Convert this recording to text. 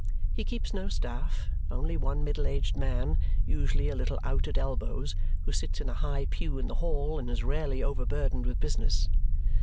He keeps no staff, only one middle aged man, usually a little out at elbows, who sits in a high pew in the hall and is rarely overburdened with business.